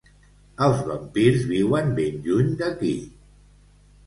Els vampirs viuen ben lluny d'aquí.